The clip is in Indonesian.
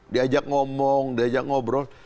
diajak ngomong diajak ngobrol